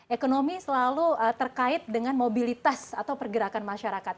ekonomi selalu terkait dengan mobilitas atau pergerakan masyarakat